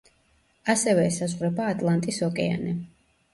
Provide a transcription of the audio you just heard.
ასევე ესაზღვრება ატლანტის ოკეანე.